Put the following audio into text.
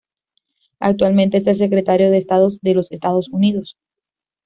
Actualmente es el Secretario de Estado de los Estados Unidos.